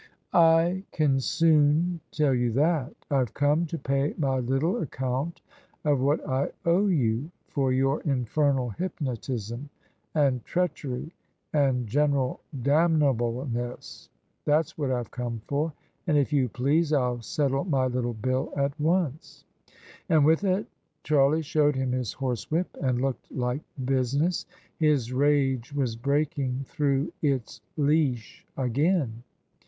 " I can soon tell you that. IVe come to pay my little account of what I owe you for your infernal hypnotism and treachery and general damnableness. That's what IVe come for; and, if you please, FU settle my little bill at once." And with that Charlie showed him his horsewhip and looked like business : his rage was breaking through its leash again.